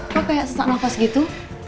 kok kayak sesak nafas gitu